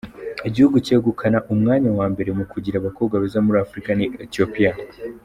Igihugu cyegukana umwanya wa mbere mu kugira abakobwa beza muri Afurika ni Ethiopia.